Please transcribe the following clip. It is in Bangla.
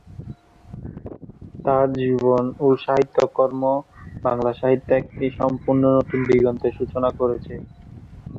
তার জীবন ও সাহিত্যকর্ম বাংলা সাহিত্যে একটি সম্পূর্ণ নতুন দিগন্তের সূচনা করেছে।